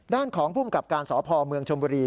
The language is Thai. ด้านของภูมิกับการสพเมืองชมบุรี